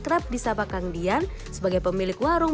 kerap disabakang dian sebagai pemilik warung